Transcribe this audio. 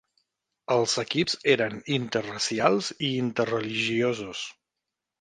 Els equips eren interracials i interreligiosos.